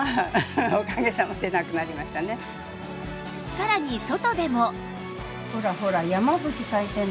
さらに外でも